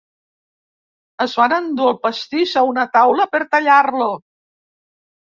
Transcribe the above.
Es van endur el pastís a una taula per tallar-lo.